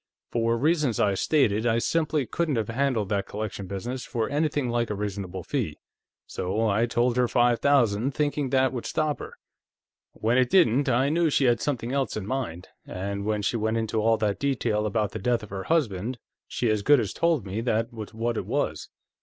For reasons I stated, I simply couldn't have handled that collection business for anything like a reasonable fee, so I told her five thousand, thinking that would stop her. When it didn't, I knew she had something else in mind, and when she went into all that detail about the death of her husband, she as good as told me that was what it was.